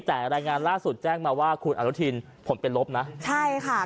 แต่รายงานล่าสุดแจ้งมาว่าคุณอนุทินผลเป็นลบนะใช่ค่ะ